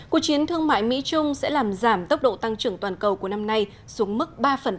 cuộc chiến thương mại mỹ trung sẽ làm giảm tốc độ tăng trưởng toàn cầu của năm nay xuống mức ba